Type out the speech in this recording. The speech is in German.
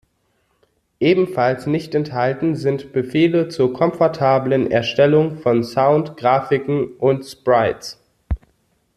Ebenfalls nicht enthalten sind Befehle zur komfortablen Erstellung von Sound, Grafiken und Sprites.